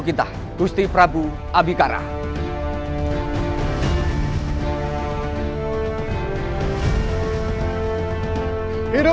kita sambut raja baru kita